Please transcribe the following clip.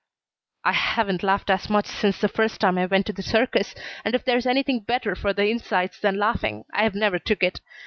"I haven't laughed as much since the first time I went to the circus, and if there's anything better for the insides than laughing, I've never took it.